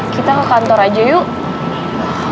kita ke kantor aja yuk